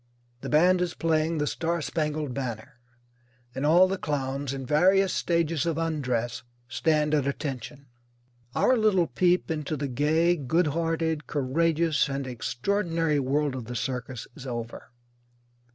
The band is playing "The Star Spangled Banner," and all the clowns, in various stages of undress, stand at attention. Our little peep into the gay, good hearted, courageous, and extraordinary world of the circus is over.